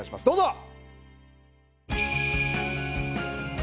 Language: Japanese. どうぞ。